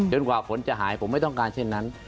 กว่าฝนจะหายผมไม่ต้องการเช่นนั้น